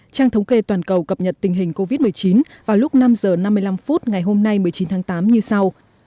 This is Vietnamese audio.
trang thống kê toàn cầu cập nhật tình hình covid một mươi chín vào lúc năm h năm mươi năm phút ngày hôm nay một mươi chín tháng tám như sau